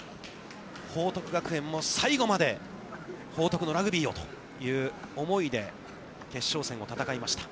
報徳学園も、最後まで報徳のラグビーをという思いで決勝戦を戦いました。